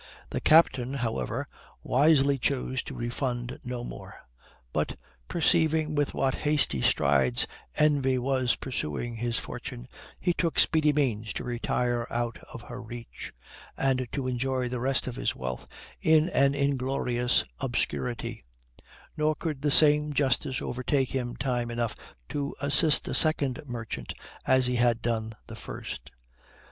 The captain, however, wisely chose to refund no more; but, perceiving with what hasty strides Envy was pursuing his fortune, he took speedy means to retire out of her reach, and to enjoy the rest of his wealth in an inglorious obscurity; nor could the same justice overtake him time enough to assist a second merchant as he had done the first.